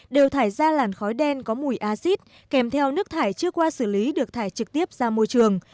đều thải ra làn khói đen có mùi acid kèm theo nước thải chưa qua xử lý được thải trực tiếp ra môi trường